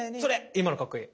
今のかっこいい。